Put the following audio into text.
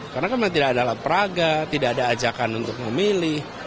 karena kami tidak adalah praga tidak ada ajakan untuk memilih